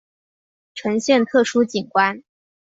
呈现特殊景观